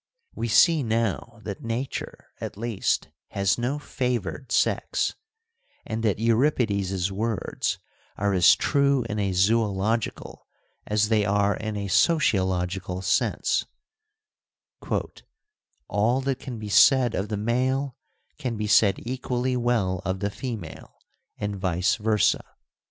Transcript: We see now that Nature, at least, has no favoured sex, and that Euripides' words are as true in a zoological as they are in a sociological sense :' All that can be said of the male can be said equally well of the female, and vice versa.'